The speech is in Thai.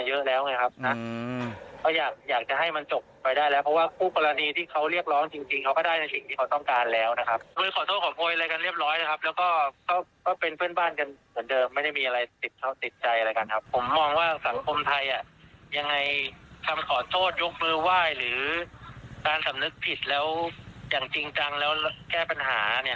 ยังไงคำขอโทษยกมือไหว่หรือการสำนึกผิดแล้วอย่างจริงจังแล้วแก้ปัญหาเนี่ย